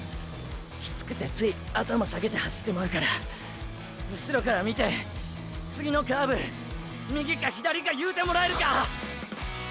きつくてつい頭下げて走ってまうから後ろから見て次のカーブ右か左か言うてもらえるか？